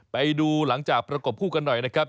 ไปดูหลังจากประกบคู่กันหน่อยนะครับ